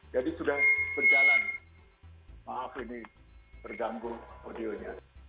jadi sudah berjalan maaf ini berganggu audionya